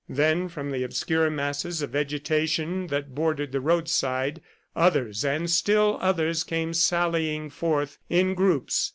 Then, from the obscure masses of vegetation that bordered the roadside, others and still others came sallying forth in groups.